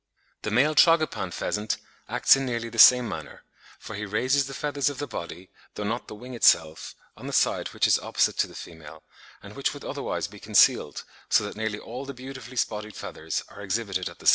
The male Tragopan pheasant acts in nearly the same manner, for he raises the feathers of the body, though not the wing itself, on the side which is opposite to the female, and which would otherwise be concealed, so that nearly all the beautifully spotted feathers are exhibited at the same time.